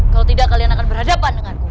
kalau tidak kalian akan berhadapan denganku